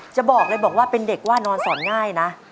จะบอกเลยบอกว่าเป็นเด็กว่านอนสอนง่ายนะ